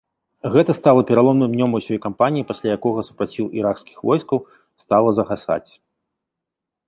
Гэта стала пераломным днём ўсёй кампаніі, пасля якога супраціў іракскіх войскаў стала згасаць.